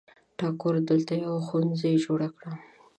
ټاګور دلته یو ښوونځي جوړ کړ.